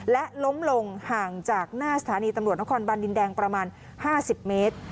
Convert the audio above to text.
และล้มลงห่างจากหน้าสถานีตำรวจนครบันดินแดงประมาณ๕๐เมตร